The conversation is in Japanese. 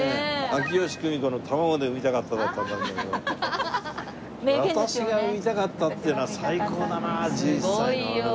秋吉久美子の「卵で産みたかった」だったんだけども。私が産みたかったっていうのは最高だな１１歳の。